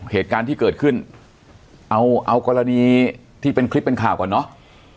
เหตุการณ์ที่เกิดขึ้นเอาเอากรณีที่เป็นคลิปเป็นข่าวก่อนเนาะ